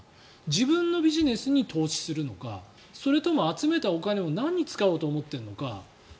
自分のビジネスに投資するのかそれとも集めたお金を何に使おうと思っているのか。